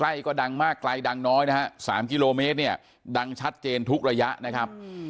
ก็ดังมากไกลดังน้อยนะฮะ๓กิโลเมตรเนี่ยดังชัดเจนทุกระยะนะครับ